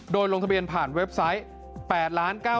โดยลงทะเบียนผ่านเว็บไซต์